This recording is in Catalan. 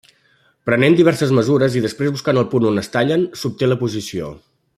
Prenent diverses mesures i després buscant el punt on es tallen, s'obté la posició.